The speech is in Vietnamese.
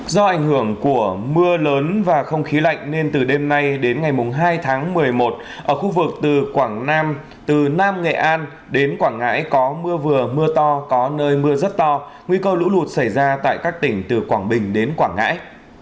do ảnh hưởng của mưa lớn và không khí lạnh nên từ đêm nay đến ngày hai tháng một mươi một ở khu vực từ quảng nam từ nam nghệ an đến quảng ngãi có mưa vừa mưa to có nơi mưa rất to nguy cơ lũ lụt xảy ra tại các tỉnh từ quảng bình đến quảng ngãi